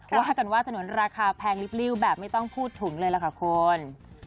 ว่ากันว่าสนุนราคาแพงลิปริ้วแบบไม่ต้องพูดถึงเลยล่ะค่ะคุณ